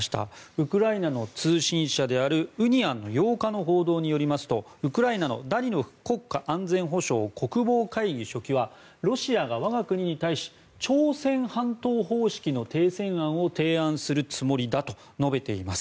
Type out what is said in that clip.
ウクライナの通信社であるウニアンの８日の報道によりますとウクライナのダニロフ国家安全保障・国防会議書記はロシアが我が国に対し朝鮮半島方式の停戦案を提案するつもりだと述べています。